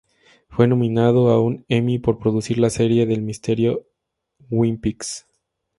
Fue nominado a un Emmy por producir la serie de misterio"Twin Peaks".